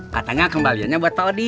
katanya kembaliannya buat pak odi